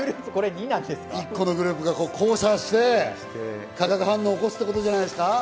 １個のグループが交差して、化学反応を起こすんじゃないですか。